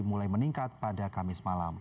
mulai meningkat pada kamis malam